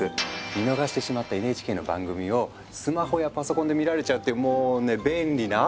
見逃してしまったＮＨＫの番組をスマホやパソコンで見られちゃうっていうもうね便利なアプリなんですよ！